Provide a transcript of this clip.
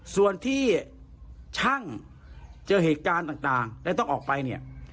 ส่วนที่ช่างเจอเหตุการณ์ต่างและต้องออกไปเนี่ย